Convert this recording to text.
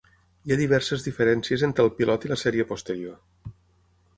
Hi ha diverses diferències entre el pilot i la sèrie posterior.